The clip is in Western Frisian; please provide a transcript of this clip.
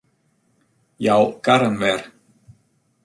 Jou karren wer.